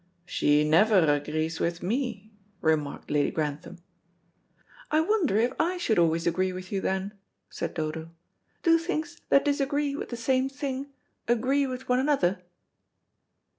"She never agrees with me," remarked Lady Grantham. "I wonder if I should always agree with you then," said Dodo. "Do things that disagree with the same thing agree with one another?"